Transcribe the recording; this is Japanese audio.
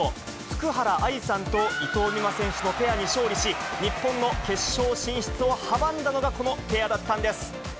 福原愛さんと伊藤美誠選手のペアに勝利し、日本の決勝進出を阻んだのが、このペアだったんです。